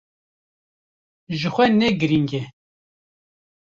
Jixwe ne girîng e.